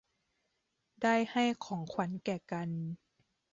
ได้ให้ของขวัญแก่กัน